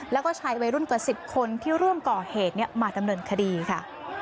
แล้วก็ชายวัยรุ่นกว่า๑๐คนที่ร่วมก่อเหตุมาดำเนินคดีค่ะ